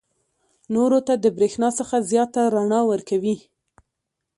نورو ته د برېښنا څخه زیاته رڼا ورکوي.